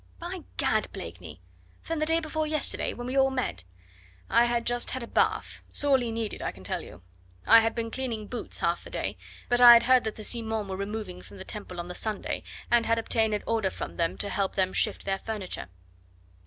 "By Gad, Blakeney! Then the day before yesterday? when we all met " "I had just had a bath sorely needed, I can tell you. I had been cleaning boots half the day, but I had heard that the Simons were removing from the Temple on the Sunday, and had obtained an order from them to help them shift their furniture."